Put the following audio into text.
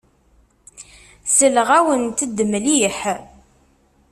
Selleɣ-awent-d mliḥ.